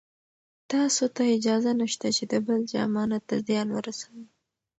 تاسو ته اجازه نشته چې د بل چا امانت ته زیان ورسوئ.